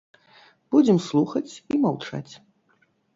Будзем слухаць і маўчаць.